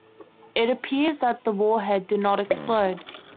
It appears that the warhead did not explode.